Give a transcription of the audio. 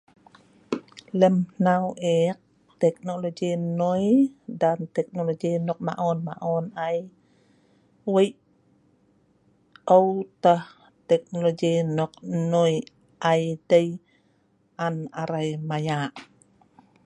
Lem hneu e’ek teknologi enoi dan teknologi nok maon maon ai weik au teh teknologi nok enoi ai dei nan tah arei mayak